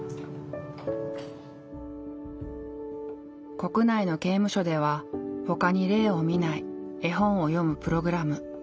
国内の刑務所ではほかに例を見ない絵本を読むプログラム。